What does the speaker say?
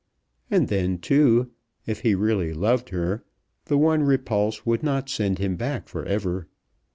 And then, too, if he really loved her, the one repulse would not send him back for ever.